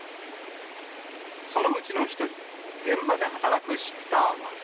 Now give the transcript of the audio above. そのうちの１人、現場で働くシッターは。